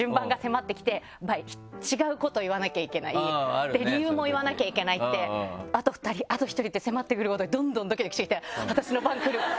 違うこと言わなきゃいけない理由も言わなきゃいけないってあと２人あと１人って迫ってくるごとにどんどんドキドキしてきて私の番くるヤバい